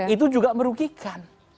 itu juga merugikan